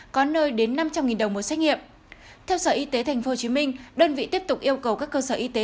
có nơi đến năm trăm linh đồng một xét nghiệm theo sở y tế tp hcm đơn vị tiếp tục yêu cầu các cơ sở y tế